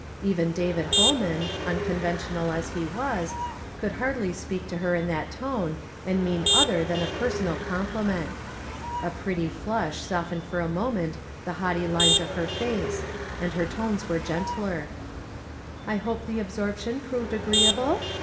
Even David Hol man, unconventional as he was, could hardly sjjcak to lu'r in that tone, and mean other than a personal compHincnt. A pretty flush softened for a mo ment the liaughty lines of her face, and her tones were gentler. "I hope the absorption proved agreeable?